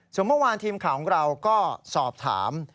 ส่วนเมื่อวานทีมข่าวของเราก็สอบถาม